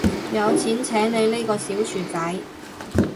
有錢請你呢個小薯仔